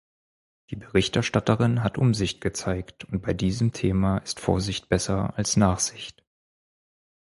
Die Berichterstatterin hat Umsicht gezeigt, und bei diesem Thema ist Vorsicht besser als Nachsicht.